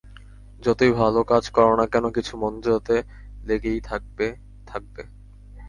যতই ভাল কাজ কর না কেন, কিছু মন্দ তাতে লেগে থাকবেই থাকবে।